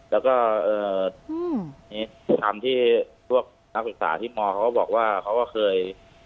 แล้วก็ทำที่พวกนักศึกษาที่มเขาก็บอกว่าเขาก็เคย